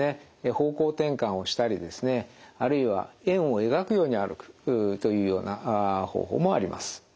方向転換をしたりですねあるいは円を描くように歩くというような方法もあります。